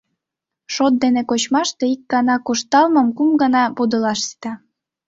Шот дене кочмаште ик гана кошталмым кум гана подылаш сита.